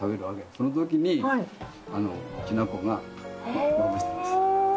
そのときにきな粉をまぶしてます。